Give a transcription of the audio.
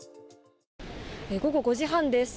午後５時半です。